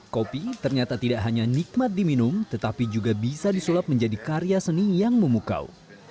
kopi ternyata tidak hanya nikmat diminum tetapi juga bisa disulap menjadi karya seni yang memukau